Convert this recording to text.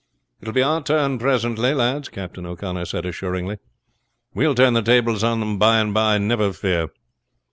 "It will be our turn presently, lads," Captain O'Connor said assuringly. "We will turn the tables on them by and by, never fear."